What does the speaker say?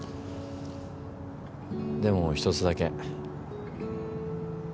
でも１つだけ。